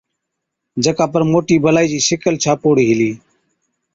جڪا پر موٽِي بَلائِي چِي شِگل ڇاپوڙِي هِلِي۔